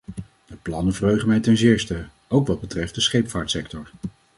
De plannen verheugen mij ten zeerste, ook wat betreft de scheepvaartsector.